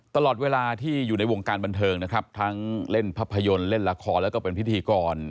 ตลอดเวลาที่อยู่ในวงการบันเทิงนะครับทั้งเล่นภาพยนตร์เล่นละครแล้วก็เป็นพิธีกร